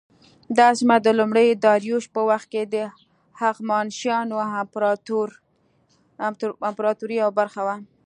دا سیمه د لومړي داریوش په وخت کې د هخامنشیانو امپراطورۍ یوه برخه وه.